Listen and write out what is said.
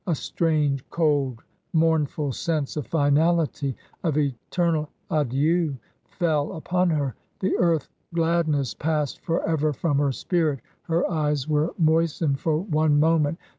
A strange, cold, mournful sense of finality, of eternal adieu, fell upon her; the earth gladness passed forever from her spirit. Her eyes were moistened for one moment.